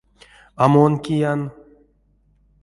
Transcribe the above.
А мон киян?